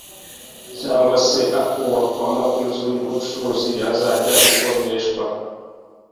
cyangwa se akubakwamo iznu y’ubucuruzi yazajya ikodeshwa